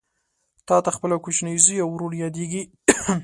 تاته خپل کوچنی زوی او ورور یادیږي